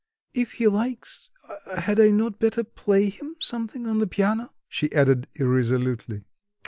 "If he likes, had I not better play him something on the piano?" she added irresolutely.